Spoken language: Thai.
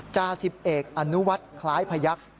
จาสิบเอกอนุวัฒน์คล้ายพยักษ์